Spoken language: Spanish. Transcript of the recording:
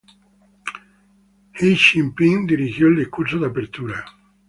Xi Jinping dirigió el discurso de apertura.